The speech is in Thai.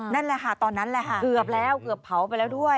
นั่นแหละค่ะตอนนั้นแหละค่ะเกือบแล้วเกือบเผาไปแล้วด้วย